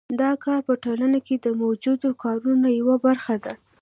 دا کار په ټولنه کې د موجودو کارونو یوه برخه ده